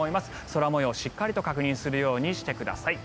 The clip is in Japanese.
空模様をしっかりと確認するようにしてください。